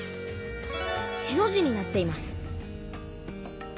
への字になっています。